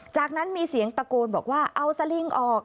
จากนั้นมีเสียงตะโกนบอกว่าเอาสลิงออก